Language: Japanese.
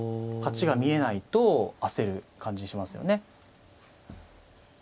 勝ちが見えないと焦る感じしますよね。